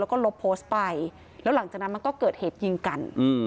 แล้วก็ลบโพสต์ไปแล้วหลังจากนั้นมันก็เกิดเหตุยิงกัน